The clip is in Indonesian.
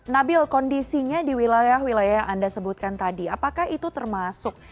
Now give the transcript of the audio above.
nabil kondisinya di wilayah wilayah yang anda sebutkan tadi apakah itu termasuk